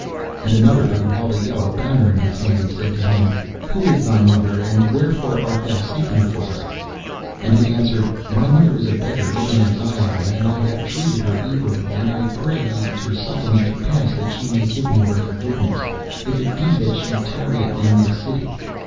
And another, who held a yellow banner in his hand, said to him, 'Who is thy mother, and wherefore art thou seeking for her?' And he answered, 'My mother is a beggar even as I am, and I have treated her evilly, and I pray ye to suffer me to pass that she may give me her forgiveness, if it be that she tarrieth in this city.